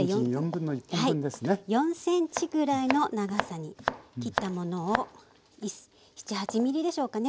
４ｃｍぐらいの長さに切ったものを７８ｍｍでしょうかね